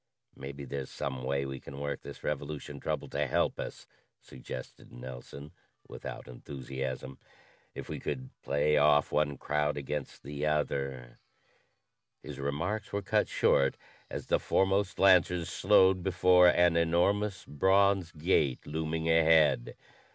"Maybe there's some way we can work this revolution trouble to help us," suggested Nelson, without enthusiasm. "If we could play off one crowd against the other " His remarks were cut short as the foremost lancers slowed before an enormous bronze gate looming ahead.